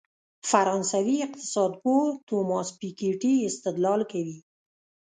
فرانسوي اقتصادپوه توماس پيکيټي استدلال کوي.